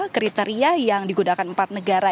kriteria yang digunakan empat negara